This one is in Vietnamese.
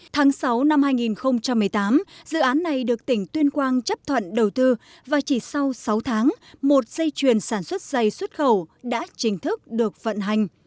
tháng sáu năm hai nghìn một mươi tám dự án này được tỉnh tuyên quang chấp thuận đầu tư và chỉ sau sáu tháng một dây chuyền sản xuất dày xuất khẩu đã chính thức được vận hành